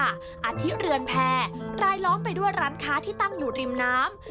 อาทิตเรือนแพร่รายล้อมไปด้วยร้านค้าที่ตั้งอยู่ริมน้ำ